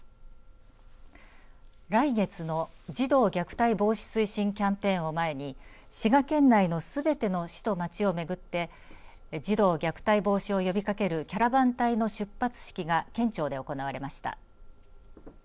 来月の児童虐待防止推進キャンペーンを前に滋賀県内のすべての市と町を巡って児童虐待防止を呼びかけるキャラバン隊の出発式が県庁で行われました。